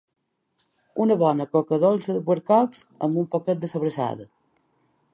Una bona coca dolça d'albercocs amb un poquet de sobrassada